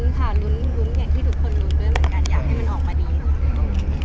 อยากให้มันออกมาดี